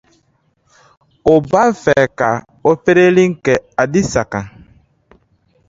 U b’a fɛ ka opereli kɛ Adisa kan.